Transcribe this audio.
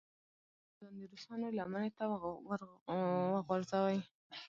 ځان د روسانو لمنې ته وغورځوي.